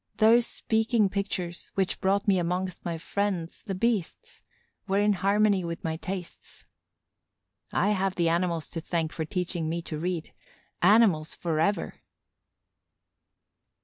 Those speaking pictures, which brought me amongst my friends the beasts, were in harmony with my tastes. I have the animals to thank for teaching me to read. Animals forever!